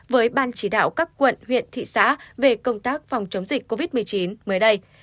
với ban chỉ đạo các quận huyện thị xã về công tác phòng chống dịch covid một mươi chín mới đây